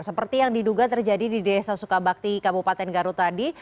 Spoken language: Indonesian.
seperti yang diduga terjadi di desa sukabakti kabupaten garut tadi